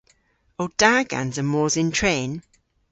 O da gansa mos yn tren?